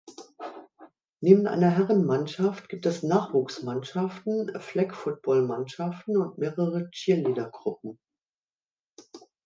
Neben einer Herrenmannschaft gibt es Nachwuchsmannschaften, Flag-Football-Mannschaften und mehrere Cheerleader-Gruppen.